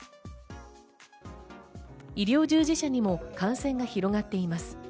医療従事者にも感染が広がっています。